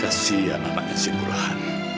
kasih ya anaknya si burhan